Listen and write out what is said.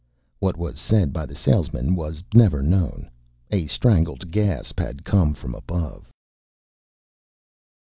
What was said by the salesman was never known. A strangled gasp had come from above.